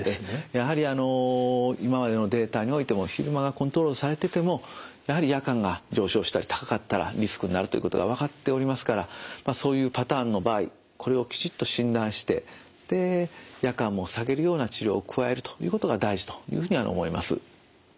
やはりあの今までのデータにおいても昼間がコントロールされててもやはり夜間が上昇したり高かったらリスクになるということが分かっておりますからそういうパターンの場合これをきちっと診断して夜間も下げるような治療を加えるということが大事というふうに思います。